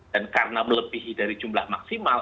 dan karena melebihi dari jumlah maksimal